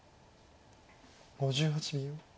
５８秒。